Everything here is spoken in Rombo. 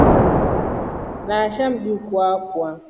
Nashaa Mjukuu akwa.